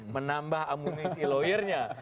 menambah amunisi lawyernya